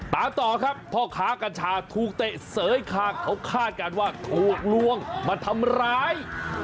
ตามต่อครับพ่อค้ากัญชาถูกเตะเสยคางเขาคาดการณ์ว่าถูกลวงมาทำร้าย